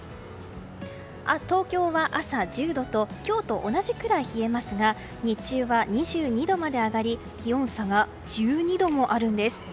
東京は朝１０度と今日と同じくらい冷えますが日中は２２度まで上がり気温差が１２度もあるんです。